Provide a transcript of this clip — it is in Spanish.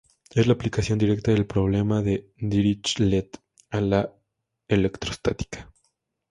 Es la aplicación directa del problema de Dirichlet a la electrostática.